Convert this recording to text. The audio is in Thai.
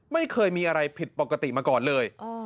ไม่เคยมีอะไรผิดปกติมาก่อนเลย